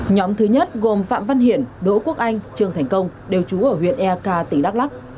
nhóm thứ nhất gồm phạm văn hiển đỗ quốc anh trương thành công đều trú ở huyện eak tỉnh đắk lắc